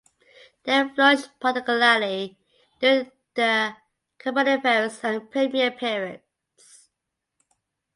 They flourished particularly during the Carboniferous and Permian periods.